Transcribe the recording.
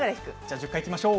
１０回いきましょう。